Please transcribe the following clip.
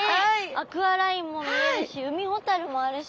アクアラインも見えるし海ほたるもあるし。